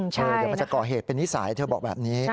เดี๋ยวมันจะก่อเหตุเป็นนิสัยเธอบอกแบบนี้